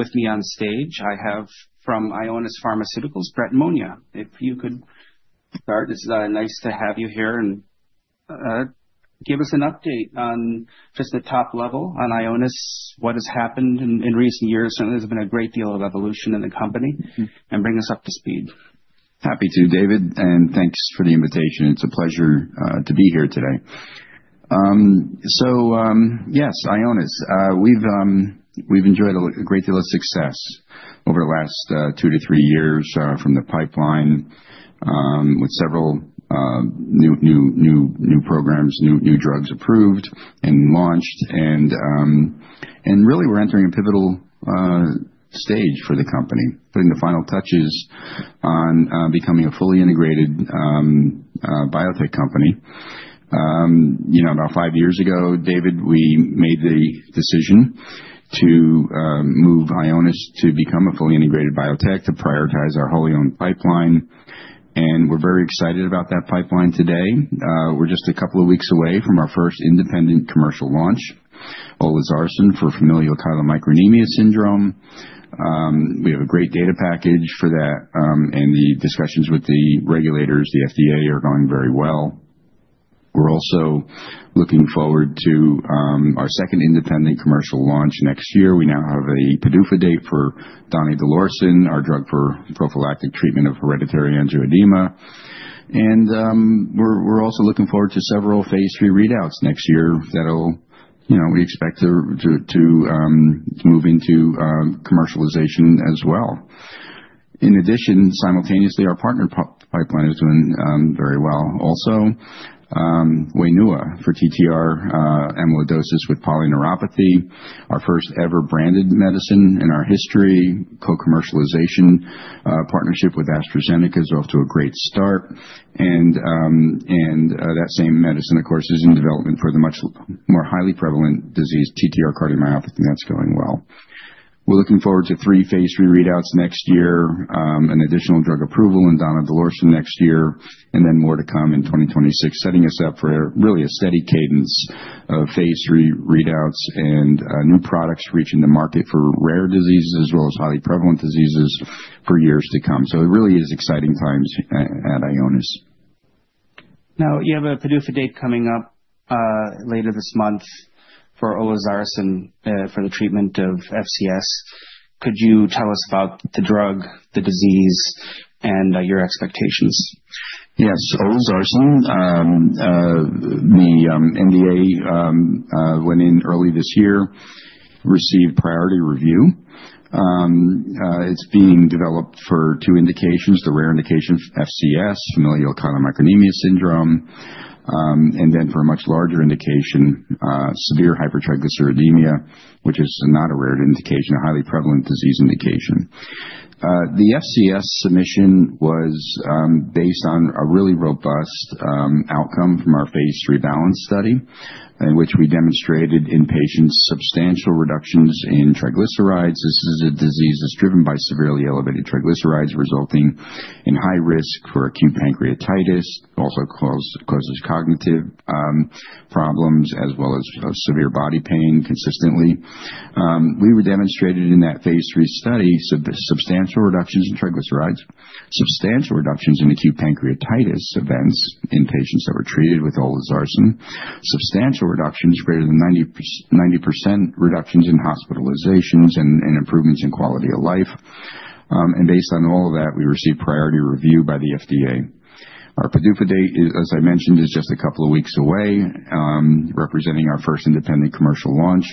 With me on stage, I have from Ionis Pharmaceuticals, Brett Monia. If you could start, it's nice to have you here and give us an update on just the top level on Ionis, what has happened in recent years. There's been a great deal of evolution in the company, and bring us up to speed. Happy to, David, and thanks for the invitation. It's a pleasure to be here today. So yes, Ionis, we've enjoyed a great deal of success over the last two to three years from the pipeline with several new programs, new drugs approved and launched. And really, we're entering a pivotal stage for the company, putting the final touches on becoming a fully integrated biotech company. About five years ago, David, we made the decision to move Ionis to become a fully integrated biotech, to prioritize our wholly owned pipeline. And we're very excited about that pipeline today. We're just a couple of weeks away from our first independent commercial launch. olezarsen for familial chylomicronemia syndrome. We have a great data package for that, and the discussions with the regulators, the FDA, are going very well. We're also looking forward to our second independent commercial launch next year. We now have a PDUFA date for donidalorsen, our drug for prophylactic treatment of hereditary angioedema, and we're also looking forward to several phase III readouts next year that we expect to move into commercialization as well. In addition, simultaneously, our partner pipeline is doing very well. Also, Wainua for TTR amyloidosis with polyneuropathy, our first ever branded medicine in our history, co-commercialization partnership with AstraZeneca is off to a great start, and that same medicine, of course, is in development for the much more highly prevalent disease, TTR cardiomyopathy, and that's going well. We're looking forward to three phase III readouts next year, an additional drug approval in donidalorsen next year, and then more to come in 2026, setting us up for really a steady cadence of phase III readouts and new products reaching the market for rare diseases as well as highly prevalent diseases for years to come. So it really is exciting times at Ionis. Now, you have a PDUFA date coming up later this month for olezarsen for the treatment of FCS. Could you tell us about the drug, the disease, and your expectations? Yes, olezarsen, the NDA went in early this year, received priority review. It's being developed for two indications: the rare indication FCS, familial chylomicronemia syndrome, and then for a much larger indication, severe hypertriglyceridemia, which is not a rare indication, a highly prevalent disease indication. The FCS submission was based on a really robust outcome from our phase III BALANCE study, in which we demonstrated in patients substantial reductions in triglycerides. This is a disease that's driven by severely elevated triglycerides, resulting in high risk for acute pancreatitis, also causes cognitive problems as well as severe body pain consistently. We demonstrated in that phase III study substantial reductions in triglycerides, substantial reductions in acute pancreatitis events in patients that were treated with olezarsen, substantial reductions, greater than 90% reductions in hospitalizations and improvements in quality of life. Based on all of that, we received priority review by the FDA. Our PDUFA date, as I mentioned, is just a couple of weeks away, representing our first independent commercial launch.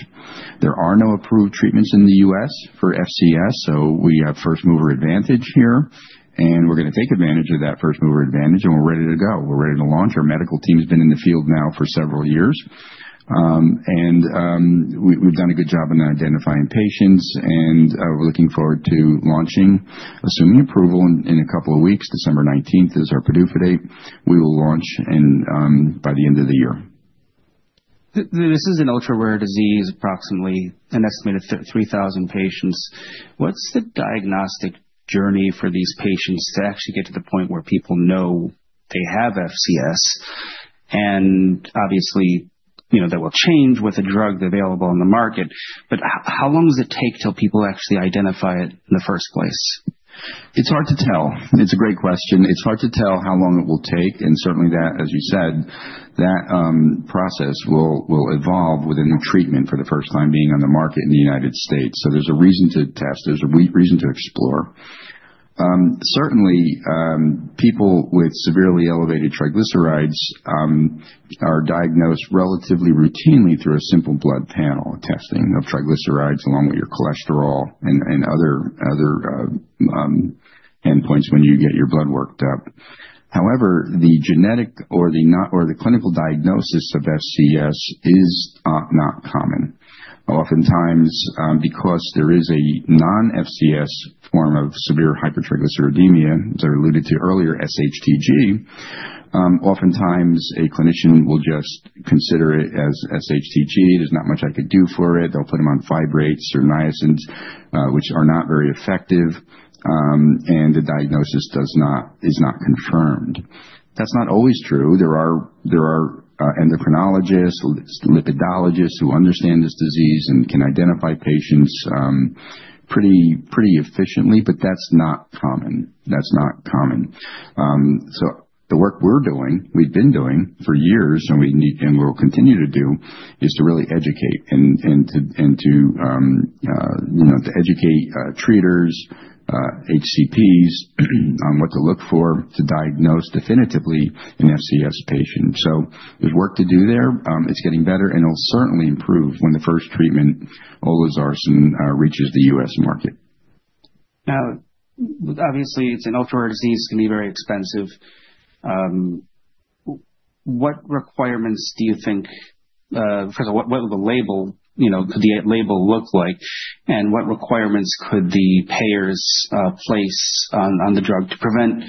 There are no approved treatments in the U.S. for FCS, so we have first mover advantage here. We're going to take advantage of that first mover advantage, and we're ready to go. We're ready to launch. Our medical team has been in the field now for several years. We've done a good job in identifying patients, and we're looking forward to launching, assuming approval in a couple of weeks. December 19th is our PDUFA date. We will launch by the end of the year. This is an ultra-rare disease, approximately an estimated 3,000 patients. What's the diagnostic journey for these patients to actually get to the point where people know they have FCS? And obviously, that will change with the drug available on the market. But how long does it take till people actually identify it in the first place? It's hard to tell. It's a great question. It's hard to tell how long it will take. And certainly, as you said, that process will evolve with a new treatment for the first time being on the market in the United States. So there's a reason to test. There's a reason to explore. Certainly, people with severely elevated triglycerides are diagnosed relatively routinely through a simple blood panel testing of triglycerides along with your cholesterol and other endpoints when you get your blood worked up. However, the genetic or the clinical diagnosis of FCS is not common. Oftentimes, because there is a non-FCS form of severe hypertriglyceridemia, as I alluded to earlier, SHTG, oftentimes a clinician will just consider it as SHTG. There's not much I could do for it. They'll put him on fibrates or niacin, which are not very effective, and the diagnosis is not confirmed. That's not always true. There are endocrinologists, lipidologists who understand this disease and can identify patients pretty efficiently, but that's not common. That's not common. So the work we're doing, we've been doing for years and we will continue to do, is to really educate and to educate treaters, HCPs, on what to look for to diagnose definitively an FCS patient. So there's work to do there. It's getting better and it'll certainly improve when the first treatment, olezarsen, reaches the U.S. market. Now, obviously, it's an ultra-rare disease. It can be very expensive. What requirements do you think, first of all, what will the label look like? And what requirements could the payers place on the drug to prevent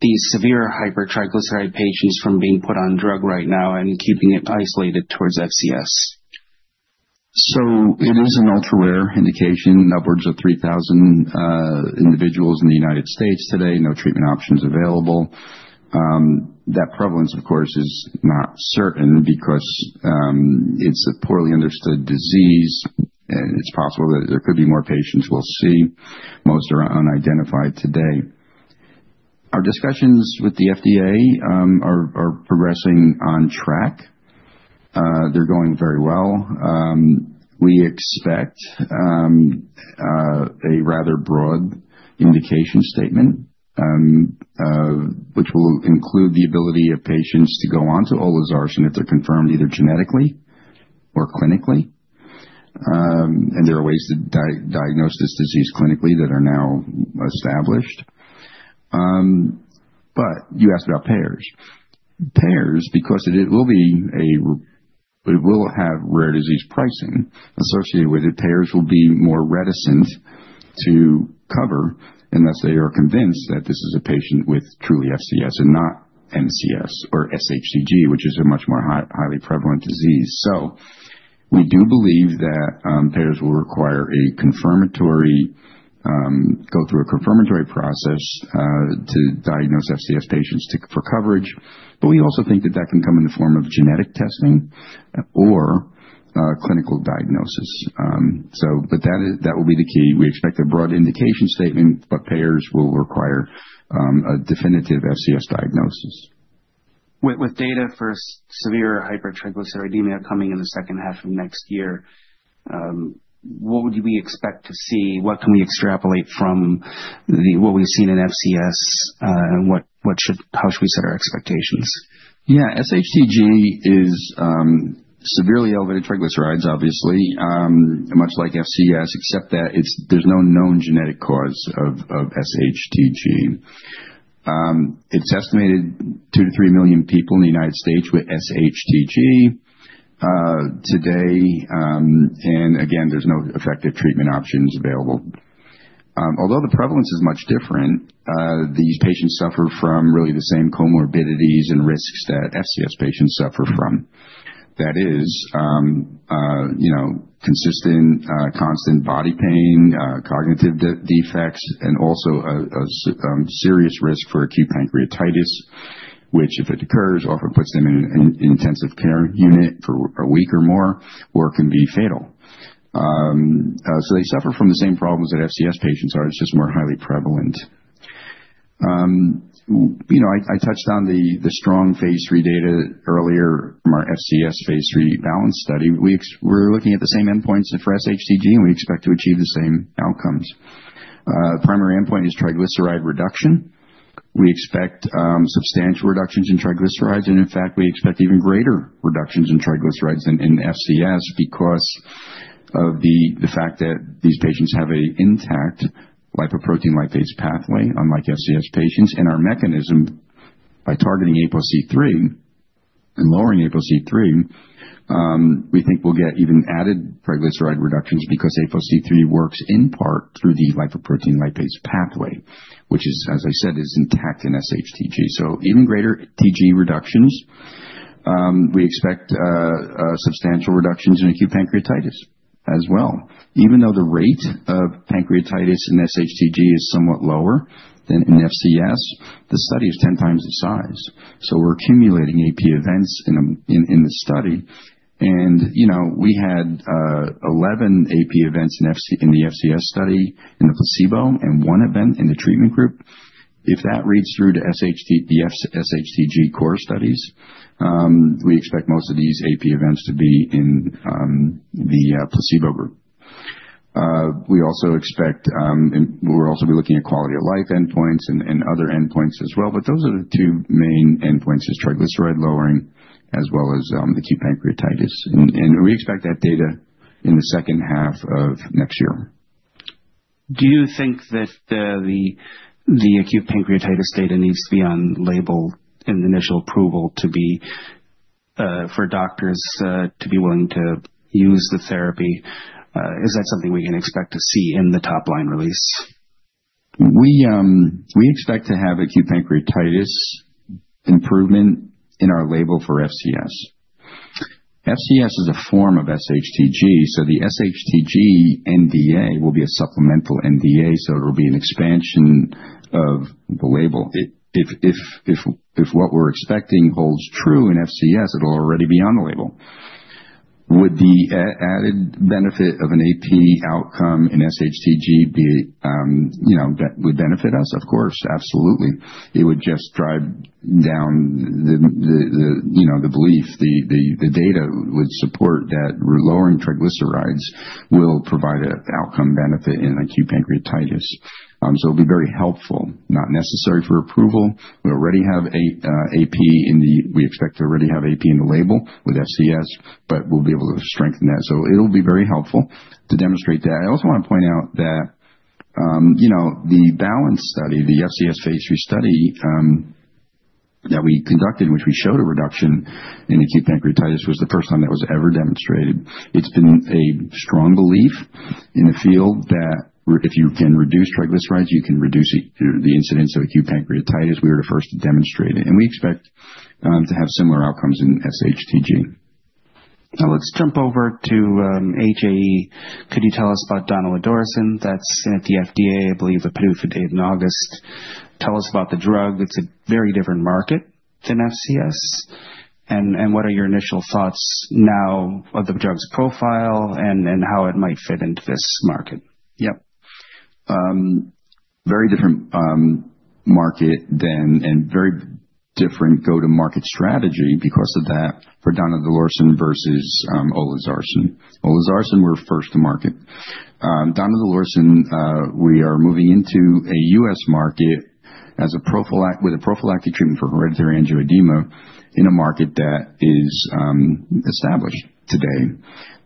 these severe hypertriglyceridemia patients from being put on drug right now and keeping it isolated towards FCS? It is an ultra-rare indication, upwards of 3,000 individuals in the United States today, no treatment options available. That prevalence, of course, is not certain because it's a poorly understood disease, and it's possible that there could be more patients we'll see. Most are unidentified today. Our discussions with the FDA are progressing on track. They're going very well. We expect a rather broad indication statement, which will include the ability of patients to go on to olezarsen if they're confirmed either genetically or clinically. And there are ways to diagnose this disease clinically that are now established. But you asked about payers. Payers, because it will have rare disease pricing associated with it, payers will be more reticent to cover unless they are convinced that this is a patient with truly FCS and not MCS or SHTG, which is a much more highly prevalent disease. We do believe that payers will require a confirmatory process to diagnose FCS patients for coverage. We also think that that can come in the form of genetic testing or clinical diagnosis. That will be the key. We expect a broad indication statement, but payers will require a definitive FCS diagnosis. With data for severe hypertriglyceridemia coming in the second half of next year, what do we expect to see? What can we extrapolate from what we've seen in FCS? How should we set our expectations? Yeah, SHTG is severely elevated triglycerides, obviously, much like FCS, except that there's no known genetic cause of SHTG. It's estimated two to three million people in the United States with SHTG today. Again, there's no effective treatment options available. Although the prevalence is much different, these patients suffer from really the same comorbidities and risks that FCS patients suffer from. That is consistent, constant body pain, cognitive defects, and also a serious risk for acute pancreatitis, which if it occurs, often puts them in an intensive care unit for a week or more, or it can be fatal. So they suffer from the same problems that FCS patients are. It's just more highly prevalent. I touched on the strong phase III data earlier from our FCS phase III BALANCE study. We're looking at the same endpoints for SHTG, and we expect to achieve the same outcomes. The primary endpoint is triglyceride reduction. We expect substantial reductions in triglycerides, and in fact, we expect even greater reductions in triglycerides in SHTG because of the fact that these patients have an intact lipoprotein lipase pathway, unlike FCS patients, and our mechanism, by targeting ApoC-III and lowering ApoC-III, we think we'll get even added triglyceride reductions because ApoC-III works in part through the lipoprotein lipase pathway, which is, as I said, intact in SHTG, so even greater TG reductions. We expect substantial reductions in acute pancreatitis as well. Even though the rate of pancreatitis in SHTG is somewhat lower than in FCS, the study is 10 times the size, so we're accumulating AP events in the study, and we had 11 AP events in the FCS study in the placebo and one event in the treatment group. If that reads through to the SHTG CORE studies, we expect most of these AP events to be in the placebo group. We're also looking at quality of life endpoints and other endpoints as well. But those are the two main endpoints: triglyceride lowering as well as acute pancreatitis. We expect that data in the second half of next year. Do you think that the acute pancreatitis data needs to be on label and initial approval for doctors to be willing to use the therapy? Is that something we can expect to see in the top line release? We expect to have acute pancreatitis improvement in our label for FCS. FCS is a form of SHTG. So the SHTG NDA will be a supplemental NDA. So it'll be an expansion of the label. If what we're expecting holds true in FCS, it'll already be on the label. Would the added benefit of an AP outcome in SHTG would benefit us? Of course, absolutely. It would just drive down the belief. The data would support that lowering triglycerides will provide an outcome benefit in acute pancreatitis. So it'll be very helpful, not necessary for approval. We already have AP in the, we expect to already have AP in the label with FCS, but we'll be able to strengthen that. So it'll be very helpful to demonstrate that. I also want to point out that the Balance study, the FCS phase III study that we conducted, which we showed a reduction in acute pancreatitis, was the first time that was ever demonstrated. It's been a strong belief in the field that if you can reduce triglycerides, you can reduce the incidence of acute pancreatitis. We were the first to demonstrate it and we expect to have similar outcomes in SHTG. Now let's jump over to HAE. Could you tell us about donidalorsen? That's at the FDA, I believe, a PDUFA date in August. Tell us about the drug. It's a very different market than FCS. And what are your initial thoughts now of the drug's profile and how it might fit into this market? Yep. Very different market and very different go-to-market strategy because of that for donidalorsen versus olezarsen. olezarsen, we're first to market. Donidalorsen, we are moving into a U.S. market with a prophylactic treatment for hereditary angioedema in a market that is established today.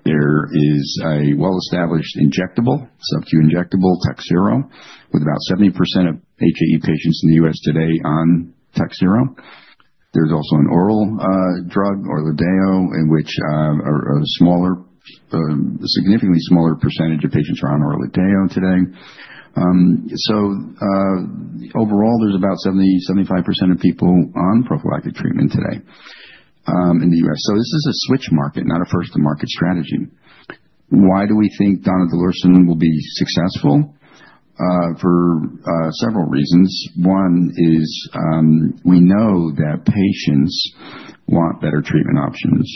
There is a well-established injectable, subcu injectable, Takhzyro, with about 70% of HAE patients in the U.S. today on Takhzyro. There's also an oral drug, Orladeyo, in which a significantly smaller percentage of patients are on Orladeyo today. So overall, there's about 70%-75% of people on prophylactic treatment today in the U.S. So this is a switch market, not a first-to-market strategy. Why do we think donidalorsen will be successful? For several reasons. One is we know that patients want better treatment options.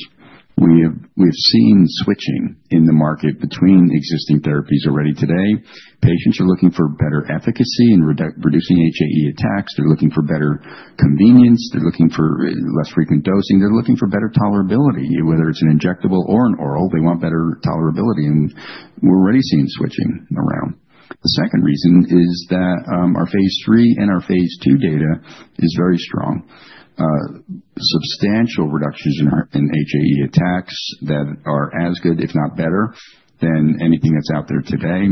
We have seen switching in the market between existing therapies already today. Patients are looking for better efficacy in reducing HAE attacks. They're looking for better convenience. They're looking for less frequent dosing. They're looking for better tolerability, whether it's an injectable or an oral. They want better tolerability, and we're already seeing switching around. The second reason is that our phase III and our phase II data is very strong. Substantial reductions in HAE attacks that are as good, if not better, than anything that's out there today.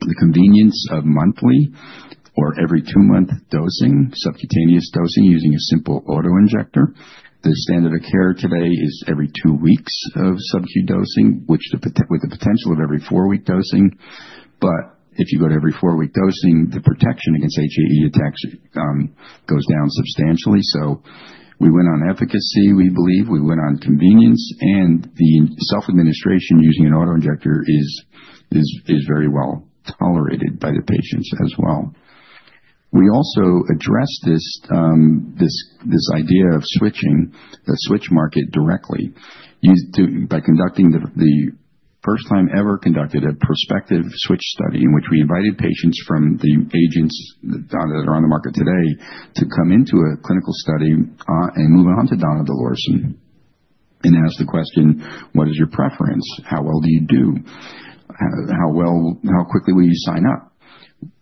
The convenience of monthly or every two-month dosing, subcutaneous dosing using a simple autoinjector. The standard of care today is every two weeks of subcu dosing, with the potential of every four-week dosing. But if you go to every four-week dosing, the protection against HAE attacks goes down substantially, so we went on efficacy, we believe. We went on convenience. The self-administration using an autoinjector is very well tolerated by the patients as well. We also addressed this idea of switching, the switch market directly, by conducting the first time ever a prospective switch study in which we invited patients on the agents that are on the market today to come into a clinical study and move on to donidalorsen and ask the question, "What is your preference? How well do you do? How quickly will you sign up?"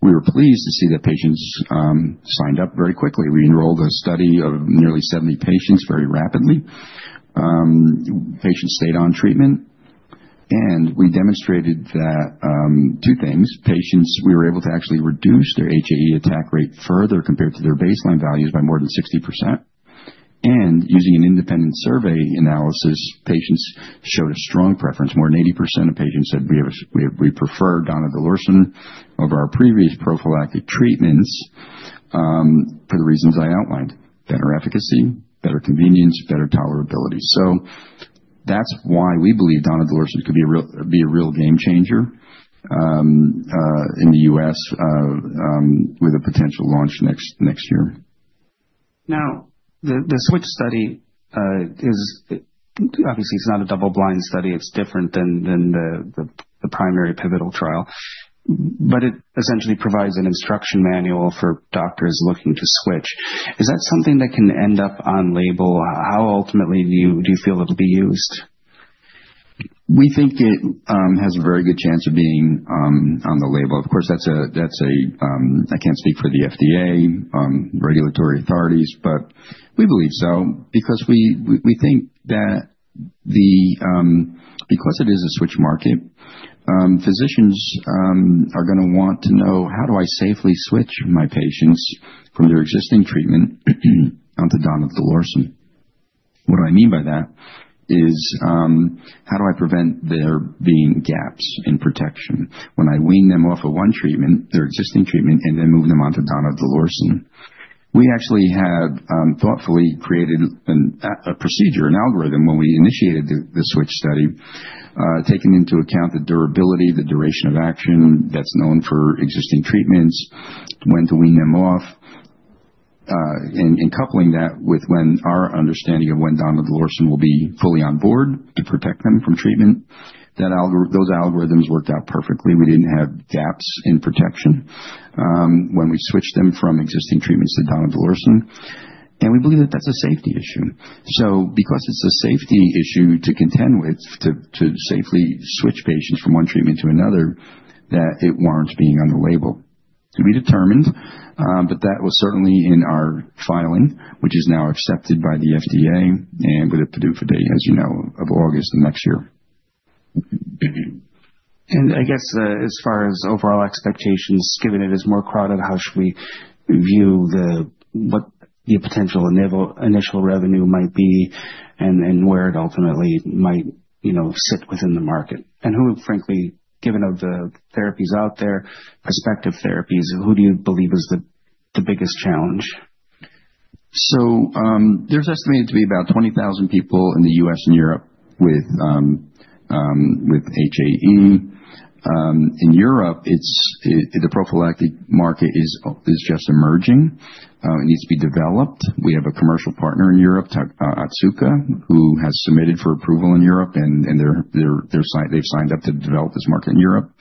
We were pleased to see that patients signed up very quickly. We enrolled a study of nearly 70 patients very rapidly. Patients stayed on treatment. We demonstrated two things. Patients, we were able to actually reduce their HAE attack rate further compared to their baseline values by more than 60%. Using an independent survey analysis, patients showed a strong preference. More than 80% of patients said, "We prefer donidalorsen over our previous prophylactic treatments for the reasons I outlined: better efficacy, better convenience, better tolerability." So that's why we believe donidalorsen could be a real game changer in the U.S. with a potential launch next year. Now, the switch study, obviously, it's not a double-blind study. It's different than the primary pivotal trial. But it essentially provides an instruction manual for doctors looking to switch. Is that something that can end up on label? How ultimately do you feel it'll be used? We think it has a very good chance of being on the label. Of course, that's a—I can't speak for the FDA, regulatory authorities, but we believe so because we think that because it is a switch market, physicians are going to want to know, "How do I safely switch my patients from their existing treatment onto donidalorsen?" What do I mean by that is, "How do I prevent there being gaps in protection when I wean them off of one treatment, their existing treatment, and then move them on to donidalorsen?" We actually have thoughtfully created a procedure, an algorithm when we initiated the switch study, taking into account the durability, the duration of action that's known for existing treatments, when to wean them off, and coupling that with our understanding of when donidalorsen will be fully on board to protect them from treatment. Those algorithms worked out perfectly. We didn't have gaps in protection when we switched them from existing treatments to donidalorsen. And we believe that that's a safety issue. So because it's a safety issue to contend with, to safely switch patients from one treatment to another, that it warrants being on the label. We determined, but that was certainly in our filing, which is now accepted by the FDA and with a PDUFA date, as you know, of August of next year. And I guess as far as overall expectations, given it is more crowded, how should we view what the potential initial revenue might be and where it ultimately might sit within the market? And who, frankly, given the therapies out there, prospective therapies, who do you believe is the biggest challenge? There's estimated to be about 20,000 people in the U.S. and Europe with HAE. In Europe, the prophylactic market is just emerging. It needs to be developed. We have a commercial partner in Europe, Otsuka, who has submitted for approval in Europe, and they've signed up to develop this market in Europe.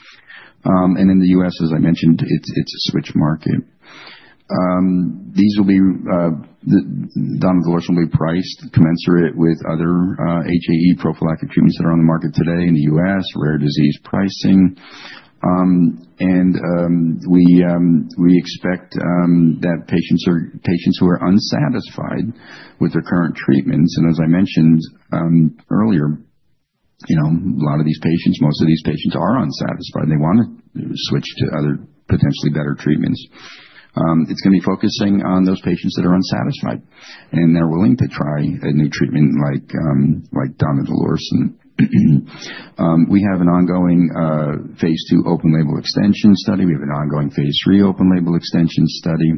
In the U.S., as I mentioned, it's a switch market. These will be. Donidalorsen will be priced commensurate with other HAE prophylactic treatments that are on the market today in the U.S., rare disease pricing. We expect that patients who are unsatisfied with their current treatments, and as I mentioned earlier, a lot of these patients, most of these patients are unsatisfied. They want to switch to other potentially better treatments. It's going to be focusing on those patients that are unsatisfied and are willing to try a new treatment like donidalorsen. We have an ongoing phase II open label extension study. We have an ongoing phase III open label extension study.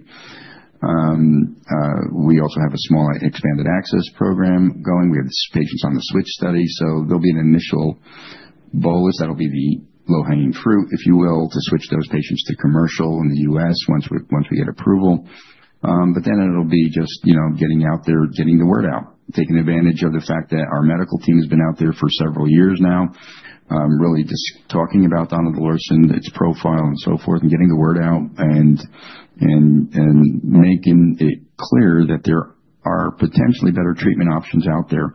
We also have a small expanded access program going. We have patients on the switch study. So there'll be an initial bolus. That'll be the low-hanging fruit, if you will, to switch those patients to commercial in the U.S. once we get approval. But then it'll be just getting out there, getting the word out, taking advantage of the fact that our medical team has been out there for several years now, really just talking about donidalorsen, its profile, and so forth, and getting the word out and making it clear that there are potentially better treatment options out there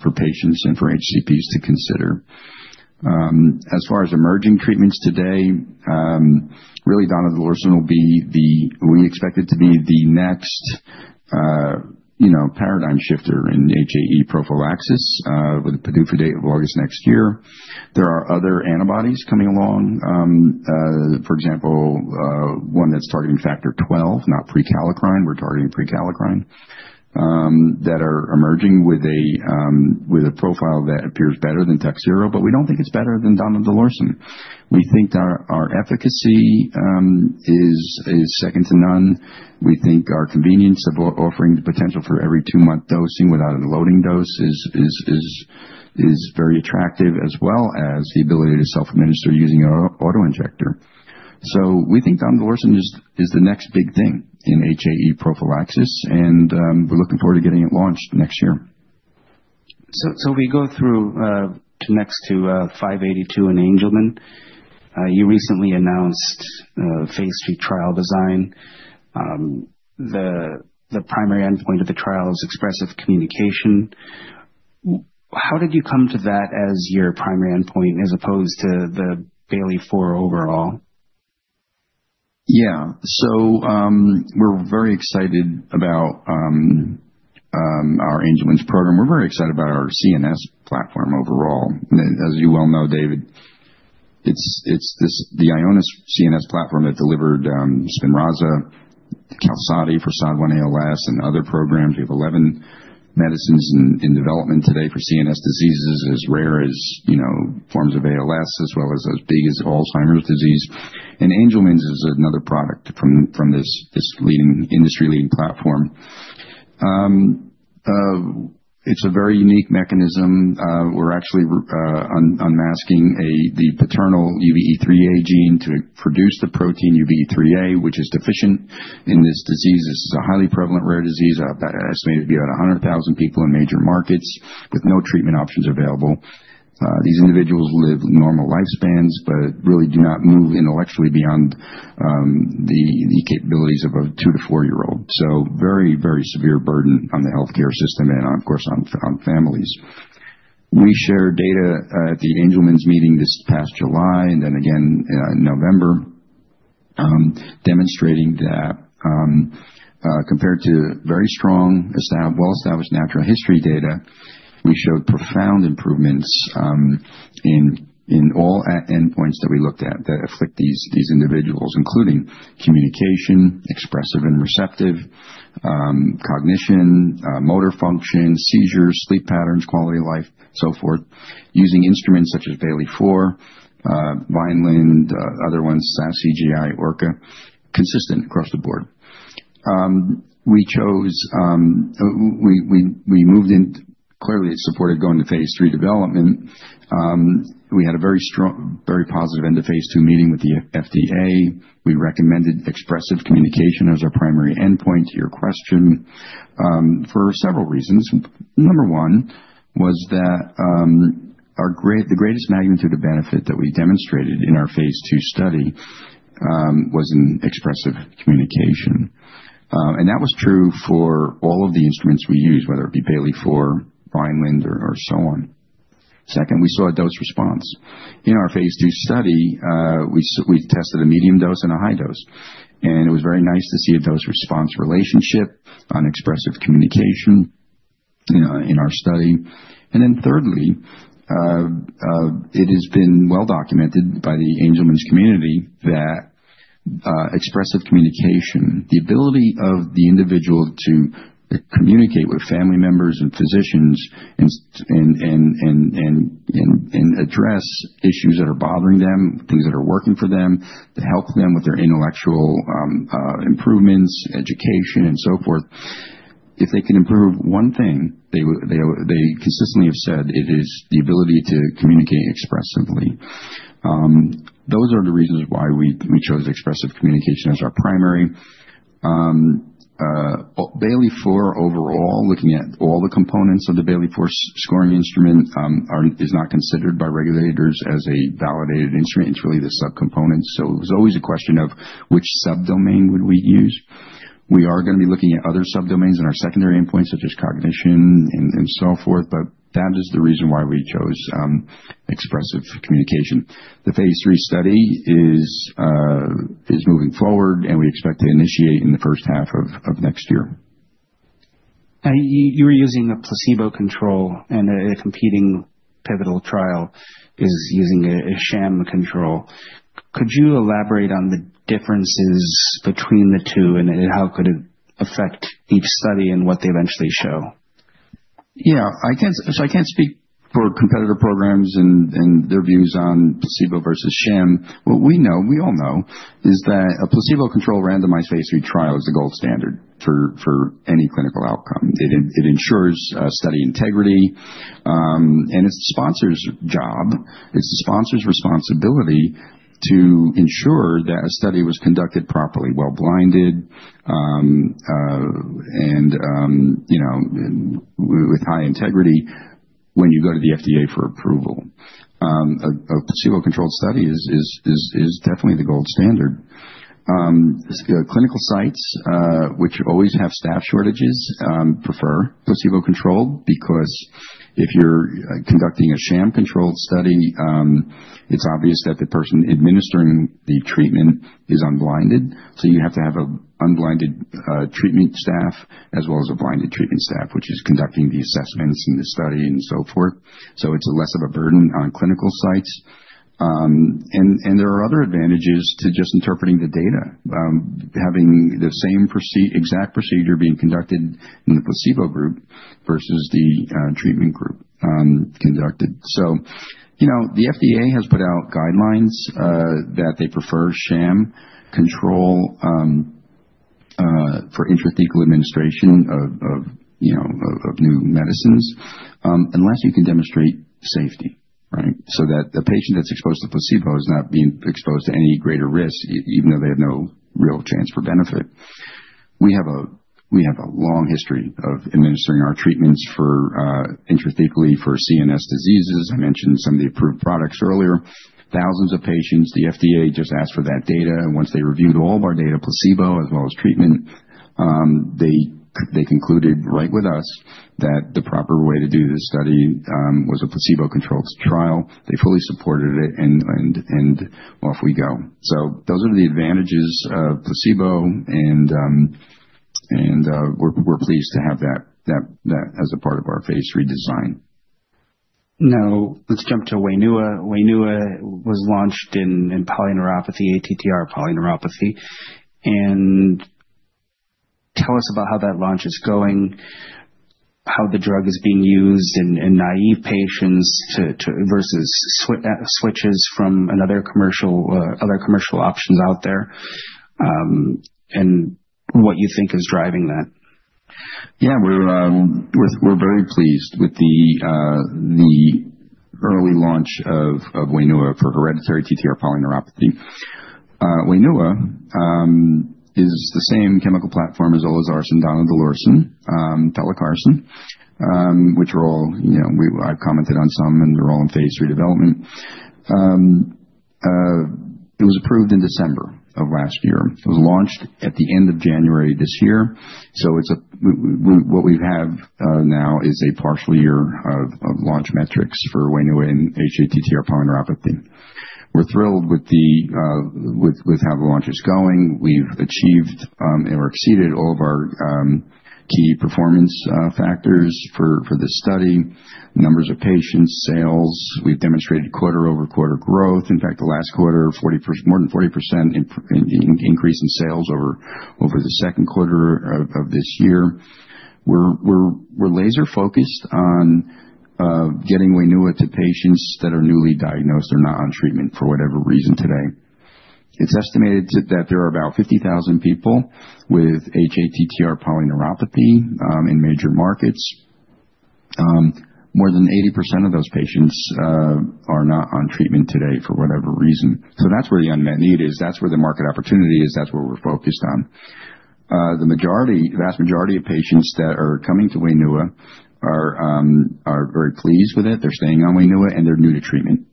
for patients and for HCPs to consider. As far as emerging treatments today, really, donidalorsen will be the—we expect it to be the next paradigm shifter in HAE prophylaxis with a PDUFA date of August next year. There are other antibodies coming along. For example, one that's targeting factor XII, not prekallikrein. We're targeting prekallikrein that are emerging with a profile that appears better than Takhzyro, but we don't think it's better than donidalorsen. We think our efficacy is second to none. We think our convenience of offering the potential for every two-month dosing without a loading dose is very attractive, as well as the ability to self-administer using an autoinjector. So we think donidalorsen is the next big thing in HAE prophylaxis, and we're looking forward to getting it launched next year. So if we go next to 582 and Angelman, you recently announced phase III trial design. The primary endpoint of the trial is expressive communication. How did you come to that as your primary endpoint as opposed to the Bayley-4 overall? Yeah. So we're very excited about our Angelman program. We're very excited about our CNS platform overall. As you well know, David, it's the Ionis CNS platform that delivered SPINRAZA, QALSODY, for SOD1-ALS, and other programs. We have 11 medicines in development today for CNS diseases as rare as forms of ALS, as well as as big as Alzheimer's disease. And Angelman is another product from this industry-leading platform. It's a very unique mechanism. We're actually unmasking the paternal UBE3A gene to produce the protein UBE3A, which is deficient in this disease. This is a highly prevalent rare disease. I estimate it'd be about 100,000 people in major markets with no treatment options available. These individuals live normal lifespans but really do not move intellectually beyond the capabilities of a two- to four-year-old. So very, very severe burden on the healthcare system and, of course, on families. We shared data at the Angelman's meeting this past July and then again in November, demonstrating that compared to very strong, well-established natural history data, we showed profound improvements in all endpoints that we looked at that afflict these individuals, including communication, expressive and receptive, cognition, motor function, seizures, sleep patterns, quality of life, so forth, using instruments such as Bayley-4, Vineland, other ones, SAS, CGI, ORCA, consistent across the board. We moved in clearly supported going to phase III development. We had a very positive end of phase II meeting with the FDA. We recommended expressive communication as our primary endpoint to your question for several reasons. Number one was that the greatest magnitude of benefit that we demonstrated in our phase II study was in expressive communication, and that was true for all of the instruments we used, whether it be Bayley-4, Vineland, or so on. Second, we saw a dose response. In our phase II study, we tested a medium dose and a high dose. And it was very nice to see a dose response relationship on expressive communication in our study. And then thirdly, it has been well documented by the Angelman community that expressive communication, the ability of the individual to communicate with family members and physicians and address issues that are bothering them, things that are working for them, to help them with their intellectual improvements, education, and so forth. If they can improve one thing, they consistently have said it is the ability to communicate expressively. Those are the reasons why we chose expressive communication as our primary. Bayley-4 overall, looking at all the components of the Bayley-4 scoring instrument, is not considered by regulators as a validated instrument. It's really the subcomponents. It was always a question of which subdomain would we use. We are going to be looking at other subdomains in our secondary endpoints, such as cognition and so forth, but that is the reason why we chose expressive communication. The phase III study is moving forward, and we expect to initiate in the first half of next year. You were using a placebo control, and a competing pivotal trial is using a sham control. Could you elaborate on the differences between the two and how could it affect each study and what they eventually show? Yeah, so I can't speak for competitor programs and their views on placebo versus sham. What we know, we all know, is that a placebo-controlled randomized phase III trial is the gold standard for any clinical outcome. It ensures study integrity, and it's the sponsor's job. It's the sponsor's responsibility to ensure that a study was conducted properly, well-blinded, and with high integrity when you go to the FDA for approval. A placebo-controlled study is definitely the gold standard. Clinical sites, which always have staff shortages, prefer placebo-controlled because if you're conducting a sham-controlled study, it's obvious that the person administering the treatment is unblinded. So you have to have an unblinded treatment staff as well as a blinded treatment staff, which is conducting the assessments and the study and so forth. So it's less of a burden on clinical sites. There are other advantages to just interpreting the data, having the same exact procedure being conducted in the placebo group versus the treatment group conducted. The FDA has put out guidelines that they prefer sham control for intrathecal administration of new medicines unless you can demonstrate safety, right, so that a patient that's exposed to placebo is not being exposed to any greater risk, even though they have no real chance for benefit. We have a long history of administering our treatments intrathecally for CNS diseases. I mentioned some of the approved products earlier. Thousands of patients. The FDA just asked for that data. Once they reviewed all of our data, placebo as well as treatment, they concluded right with us that the proper way to do this study was a placebo-controlled trial. They fully supported it, and off we go. So those are the advantages of placebo, and we're pleased to have that as a part of our phase III design. Now, let's jump to Wainua. Wainua was launched in polyneuropathy, ATTR polyneuropathy. Tell us about how that launch is going, how the drug is being used in naive patients versus switches from other commercial options out there, and what you think is driving that. Yeah. We're very pleased with the early launch of Wainua for hereditary TTR polyneuropathy. Wainua is the same chemical platform as olezarsen and donidalorsen, pelacarsen, which I've commented on some, and they're all in phase III development. It was approved in December of last year. It was launched at the end of January this year. So what we have now is a partial year of launch metrics for Wainua and hATTR polyneuropathy. We're thrilled with how the launch is going. We've achieved and exceeded all of our key performance factors for this study: numbers of patients, sales. We've demonstrated quarter-over-quarter growth. In fact, the last quarter, more than 40% increase in sales over the second quarter of this year. We're laser-focused on getting Wainua to patients that are newly diagnosed or not on treatment for whatever reason today. It's estimated that there are about 50,000 people with hATTR polyneuropathy in major markets. More than 80% of those patients are not on treatment today for whatever reason. So that's where the unmet need is. That's where the market opportunity is. That's where we're focused on. The vast majority of patients that are coming to Wainua are very pleased with it. They're staying on Wainua, and they're new to treatment.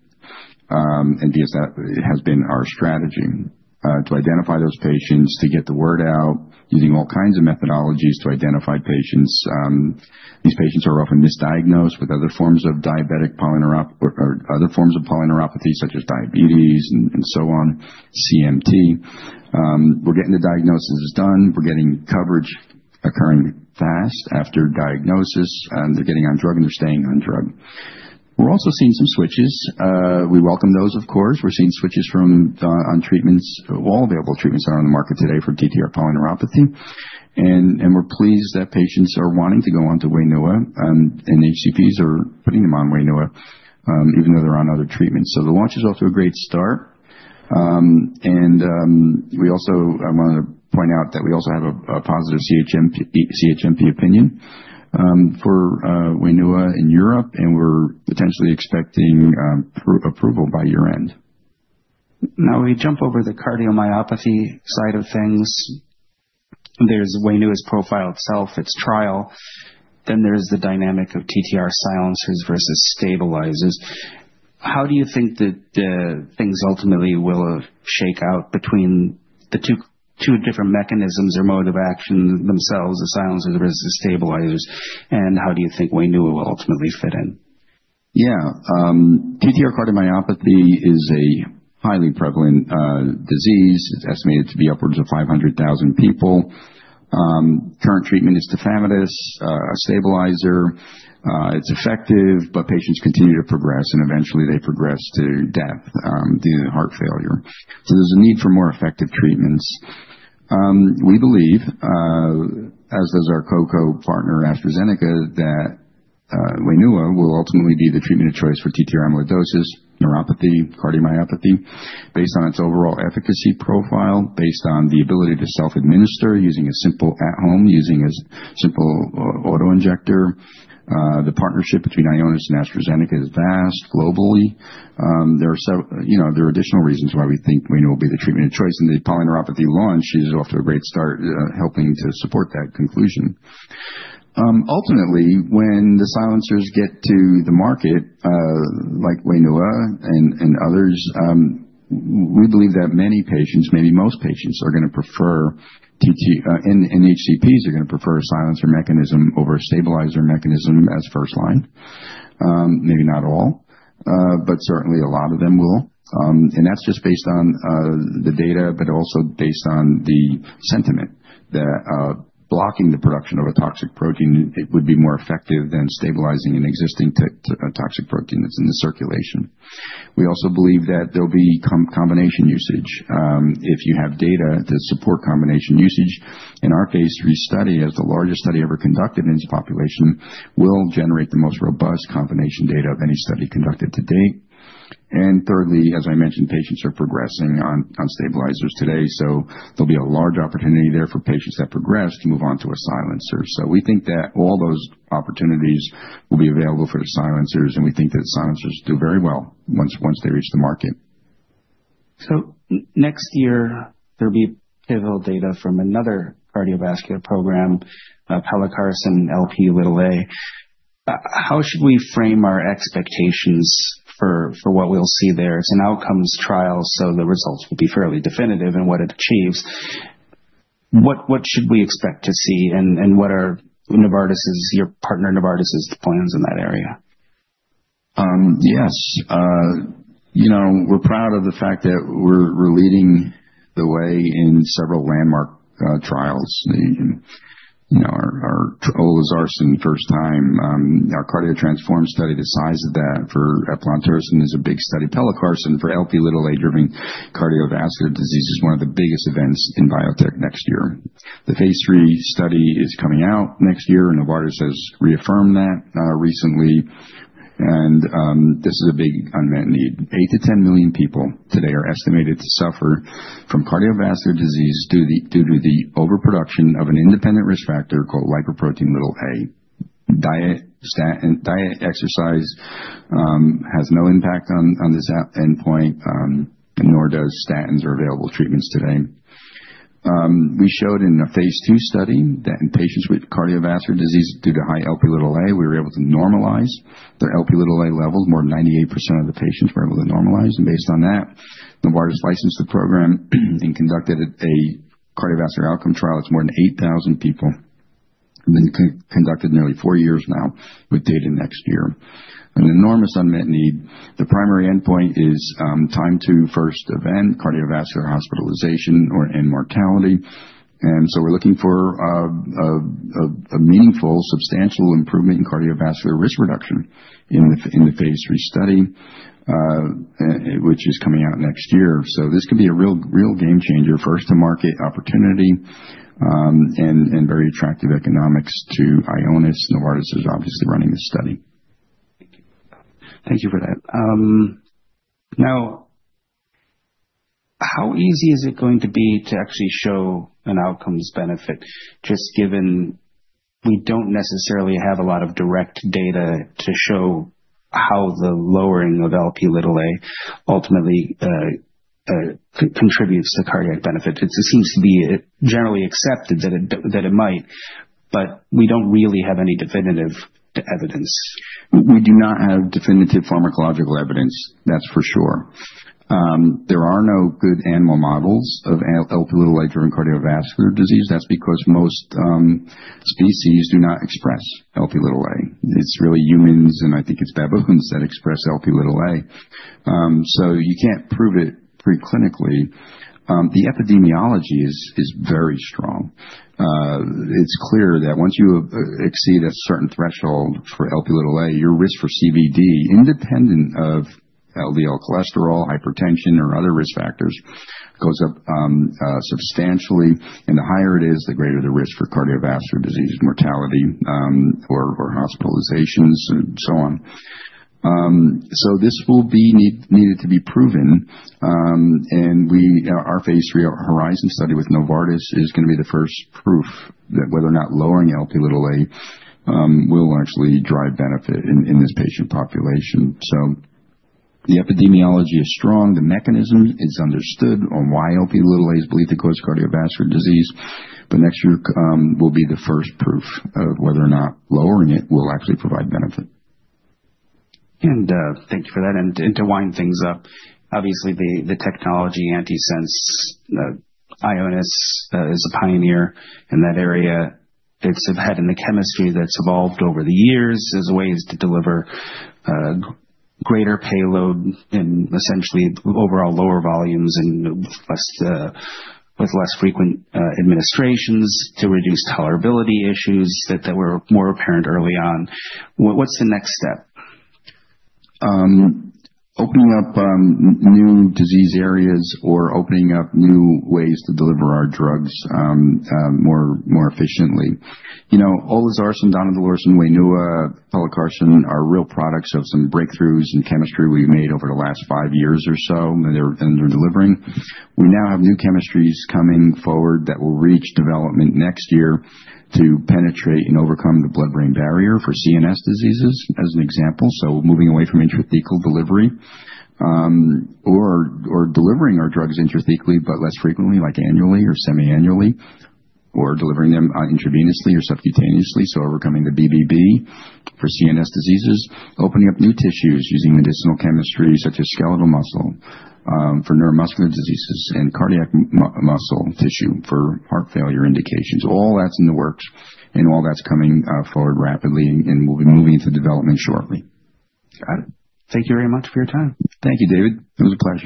And it has been our strategy to identify those patients, to get the word out, using all kinds of methodologies to identify patients. These patients are often misdiagnosed with other forms of diabetic polyneuropathy or other forms of polyneuropathy, such as diabetes and so on, CMT. We're getting the diagnosis done. We're getting coverage occurring fast after diagnosis, and they're getting on drug, and they're staying on drug. We're also seeing some switches. We welcome those, of course. We're seeing switches from other treatments. All available treatments are on the market today for TTR polyneuropathy. And we're pleased that patients are wanting to go on to Wainua, and HCPs are putting them on Wainua, even though they're on other treatments. So the launch is off to a great start. And I want to point out that we also have a positive CHMP opinion for Wainua in Europe, and we're potentially expecting approval by year-end. Now, we jump over the cardiomyopathy side of things. There's Wainua's profile itself. Its trial. Then there's the dynamic of TTR silencers versus stabilizers. How do you think that things ultimately will shake out between the two different mechanisms or modes of action themselves, the silencers versus the stabilizers, and how do you think Wainua will ultimately fit in? Yeah. TTR cardiomyopathy is a highly prevalent disease. It's estimated to be upwards of 500,000 people. Current treatment is tafamidis, a stabilizer. It's effective, but patients continue to progress, and eventually, they progress to death due to heart failure. So there's a need for more effective treatments. We believe, as does our partner, AstraZeneca, that Wainua will ultimately be the treatment of choice for TTR amyloidosis, neuropathy, cardiomyopathy, based on its overall efficacy profile, based on the ability to self-administer using a simple at-home autoinjector. The partnership between Ionis and AstraZeneca is vast globally. There are additional reasons why we think Wainua will be the treatment of choice, and the polyneuropathy launch is off to a great start, helping to support that conclusion. Ultimately, when the silencers get to the market, like Wainua and others, we believe that many patients, maybe most patients, are going to prefer. HCPs are going to prefer a silencer mechanism over a stabilizer mechanism as first-line. Maybe not all, but certainly a lot of them will. And that's just based on the data, but also based on the sentiment that blocking the production of a toxic protein would be more effective than stabilizing an existing toxic protein that's in the circulation. We also believe that there'll be combination usage if you have data to support combination usage. In our phase III study, as the largest study ever conducted in this population, will generate the most robust combination data of any study conducted to date. And thirdly, as I mentioned, patients are progressing on stabilizers today. So there'll be a large opportunity there for patients that progress to move on to a silencer. So we think that all those opportunities will be available for the silencers, and we think that silencers do very well once they reach the market. So next year, there'll be pivotal data from another cardiovascular program, Pelacarsen, Lp(a). How should we frame our expectations for what we'll see there? It's an outcomes trial, so the results will be fairly definitive in what it achieves. What should we expect to see, and what are Novartis's, your partner Novartis's, plans in that area? Yes. We're proud of the fact that we're leading the way in several landmark trials. Our olezarsen first time, our CARDIO-TTRansform study, the size of that for eplontersen is a big study. Pelacarsen for Lp(a)-driven cardiovascular disease is one of the biggest events in biotech next year. The phase III study is coming out next year, and Novartis has reaffirmed that recently. This is a big unmet need. Eight to 10 million people today are estimated to suffer from cardiovascular disease due to the overproduction of an independent risk factor called lipoprotein(a). Diet and exercise has no impact on this endpoint, nor do statins or available treatments today. We showed in a phase II study that in patients with cardiovascular disease due to high Lp(a), we were able to normalize their Lp(a) levels. More than 98% of the patients were able to normalize. And based on that, Novartis licensed the program and conducted a cardiovascular outcome trial. It's more than 8,000 people. It's been conducted nearly four years now with data next year. An enormous unmet need. The primary endpoint is time to first event, cardiovascular hospitalization or end mortality. And so we're looking for a meaningful, substantial improvement in cardiovascular risk reduction in the phase III study, which is coming out next year. So this could be a real game changer, first to market opportunity and very attractive economics to Ionis. Novartis is obviously running this study. Thank you for that. Now, how easy is it going to be to actually show an outcome's benefit just given we don't necessarily have a lot of direct data to show how the lowering of Lp(a) ultimately contributes to cardiac benefit? It seems to be generally accepted that it might, but we don't really have any definitive evidence. We do not have definitive pharmacological evidence. That's for sure. There are no good animal models of Lp(a) driven cardiovascular disease. That's because most species do not express Lp(a). It's really humans, and I think it's baboons that express Lp(a). So you can't prove it preclinically. The epidemiology is very strong. It's clear that once you exceed a certain threshold for Lp(a), your risk for CVD, independent of LDL cholesterol, hypertension, or other risk factors, goes up substantially. And the higher it is, the greater the risk for cardiovascular disease, mortality, or hospitalizations, and so on. So this will need to be proven. And our phase III HORIZON study with Novartis is going to be the first proof that whether or not lowering Lp(a) will actually drive benefit in this patient population. So the epidemiology is strong. The mechanism is understood on why Lp(a) is believed to cause cardiovascular disease. But next year will be the first proof of whether or not lowering it will actually provide benefit. Thank you for that. To wind things up, obviously, the technology, antisense, Ionis is a pioneer in that area. It's had advances in the chemistry that's evolved over the years as ways to deliver greater payload and essentially overall lower volumes and with less frequent administrations to reduce tolerability issues that were more apparent early on. What's the next step? Opening up new disease areas or opening up new ways to deliver our drugs more efficiently. olezarsen, donidalorsen, Wainua, pelacarsen are real products of some breakthroughs in chemistry we've made over the last five years or so, and they're delivering. We now have new chemistries coming forward that will reach development next year to penetrate and overcome the blood-brain barrier for CNS diseases as an example, so moving away from intrathecal delivery or delivering our drugs intrathecally, but less frequently, like annually or semi-annually, or delivering them intravenously or subcutaneously, so overcoming the BBB for CNS diseases, opening up new tissues using medicinal chemistry such as skeletal muscle for neuromuscular diseases and cardiac muscle tissue for heart failure indications. All that's in the works, and all that's coming forward rapidly, and we'll be moving into development shortly. Got it. Thank you very much for your time. Thank you, David. It was a pleasure.